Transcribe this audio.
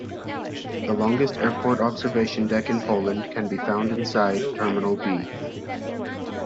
The longest airport observation deck in Poland can be found inside Terminal B.